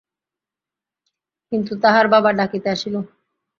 কিন্তু তাহার বাবা ডাকিতে আসিল।